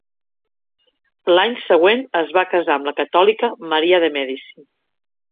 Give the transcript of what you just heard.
L'any següent es va casar amb la catòlica Maria de Mèdici.